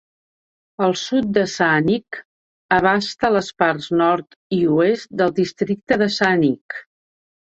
El sud de Saanich abasta les parts nord i oest del districte de Saanich.